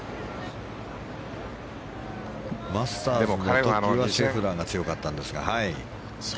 マスターズではシェフラーが強かったんですが。